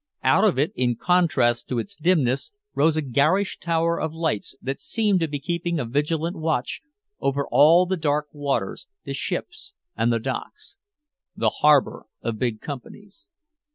Out of it, in contrast to its dimness, rose a garish tower of lights that seemed to be keeping a vigilant watch over all the dark waters, the ships and the docks. The harbor of big companies.